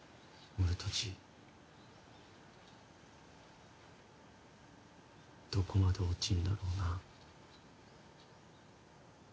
俺たちどこまで落ちるんだろうな。